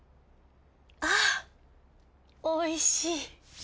あおいしい。